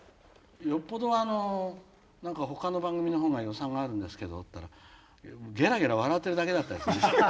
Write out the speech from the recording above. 「よっぽどあの何かほかの番組の方が予算があるんですけど」って言ったらゲラゲラ笑ってるだけだったですね。